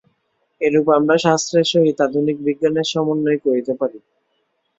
এইরূপে আমরা শাস্ত্রের সহিত আধুনিক বিজ্ঞানের সমন্বয় করিতে পারি।